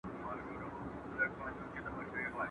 ¬ د ژرندي زه راځم، غوږونه ستا سپېره دي.